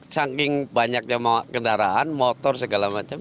saking banyaknya kendaraan motor segala macam